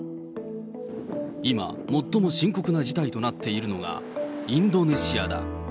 今、最も深刻な事態となっているのが、インドネシアだ。